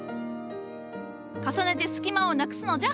重ねて隙間をなくすのじゃ。